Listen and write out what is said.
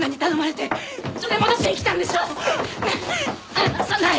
離さない！